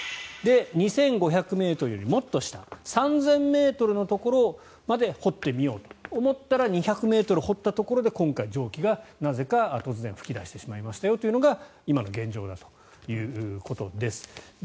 ２５００ｍよりもっと下３０００ｍのところまで掘ってみようと思ったら２００ｍ掘ったところで今回、蒸気がなぜか突然噴き出してしまいましたよというのが今の現状だということです。